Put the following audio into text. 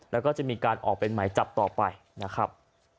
แล้วก็จะมีการออกเป็นหมายจับต่อไปนะครับ